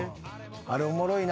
あれおもろいな。